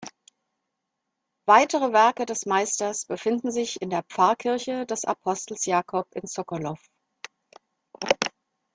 Weitere Werke des Meisters befinden sich in der Pfarrkirche des "Apostels Jakob" in Sokolov.